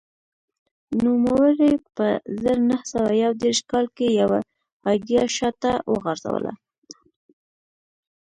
نوموړي په زر نه سوه یو دېرش کال کې یوه ایډیا شا ته وغورځوله